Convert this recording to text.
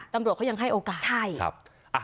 ตำรวจเขายังให้โอกาสใช่ครับ